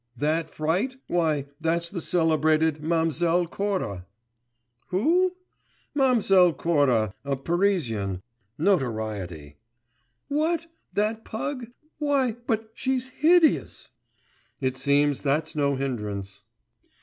'That fright! why, that's the celebrated Ma'mselle Cora.' 'Who?' 'Ma'mselle Cora ... a Parisian ... notoriety.' 'What? That pug? Why, but she's hideous!' 'It seems that's no hindrance.